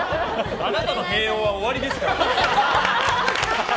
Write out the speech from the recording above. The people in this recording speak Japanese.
あなたの平穏は終わりですから。